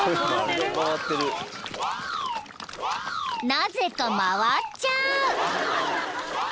［なぜか回っちゃう］